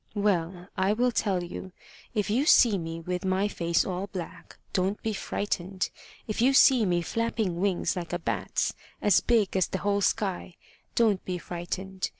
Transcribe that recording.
"Well, I will tell you. If you see me with my face all black, don't be frightened. If you see me flapping wings like a bat's, as big as the whole sky, don't be frightened.